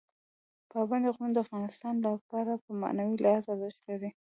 پابندی غرونه د افغانانو لپاره په معنوي لحاظ ارزښت لري.